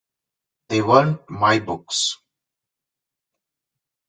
They weren't my books.